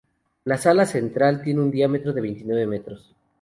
La sala central tiene un diámetro de veintinueve metros.